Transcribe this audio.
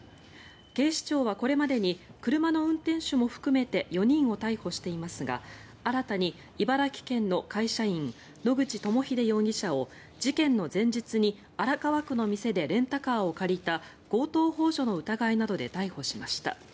警視庁はこれまでに車の運転手も含めて４人を逮捕していますが新たに茨城県の会社員野口朋秀容疑者を事件の前日に荒川区の店でレンタカーを借りた強盗ほう助の疑いなどで逮捕しました。